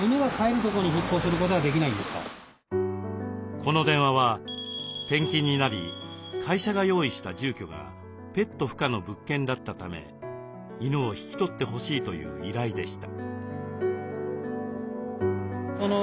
この電話は転勤になり会社が用意した住居がペット不可の物件だったため犬を引き取ってほしいという依頼でした。